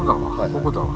ここだわ。